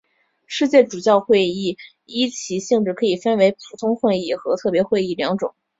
世界主教会议依其性质可分为普通会议和特别会议两种。